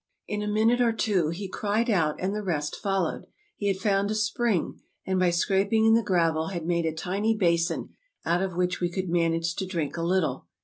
In a minute or two he cried out, and the rest followed ; he had found a spring, and by scraping in the gravel had made a tiny basin out of which we could manage to drink a little.